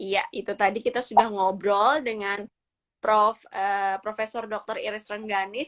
iya itu tadi kita sudah ngobrol dengan prof dr iris rengganis